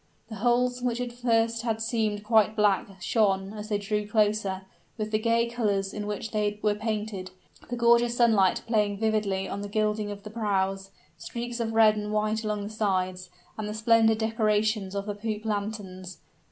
The hulls, which at first had seemed quite black, shone, as they drew closer, with the gay colors in which they were painted, the gorgeous sunlight playing vividly on the gilding of the prows, the streaks of red and white along the sides, and the splendid decorations of the poop lanterns.